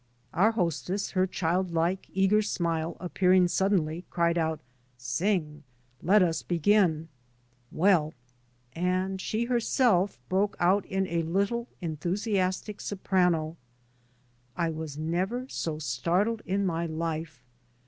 Our hostess, her childlike eager smile ap pearing suddenly cried out, " Sing! Let us begin, well — 1" And she herself broke out in a little enthusiastic soprano. I was never so startled in my life.